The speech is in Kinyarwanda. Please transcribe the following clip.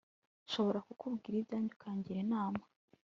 nshobora kubwira ibyanjye ukangir inama